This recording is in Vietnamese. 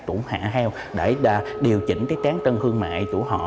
trụng hạ heo để điều chỉnh tráng trân hương mại trụ họ